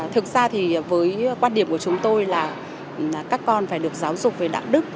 thực ra thì với quan điểm của chúng tôi là các con phải được giáo dục về đạo đức